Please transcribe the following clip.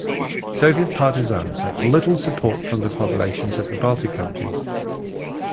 Soviet partisans had little support from the populations of the Baltic countries.